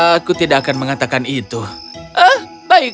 aku tidak akan mengatakan itu aku ingin pergi bekerja bisa saya bekerja besok